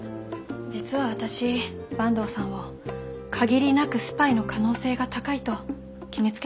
実は私坂東さんを限りなくスパイの可能性が高いと決めつけていました。